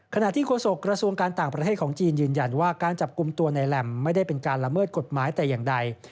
ที่โฆษกระทรวงการต่างประเทศของจีนยืนยันว่าการจับกลุ่มตัวในแหลมไม่ได้เป็นการละเมิดกฎหมายแต่อย่างใด